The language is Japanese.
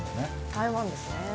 台湾ですね。